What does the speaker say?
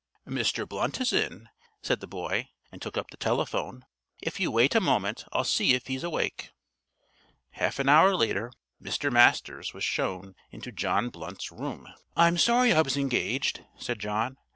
"Mr. Blunt is in," said the boy, and took up the telephone. "If you wait a moment I'll see if he's awake." Half an hour later Mr. Masters was shown into John Blunt's room. "I'm sorry I was engaged," said John.